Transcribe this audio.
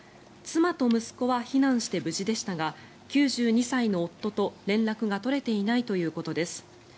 妻と息子は避難して無事でしたが９２歳の夫と連絡が取れていないということです。